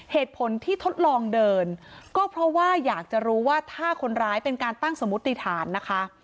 เหตุผลที่ทดลองเดินก็เพราะว่าอยากจะรู้ว่าถ้าคนร้ายเป็นการตั้งสมมุติฐานนะคะ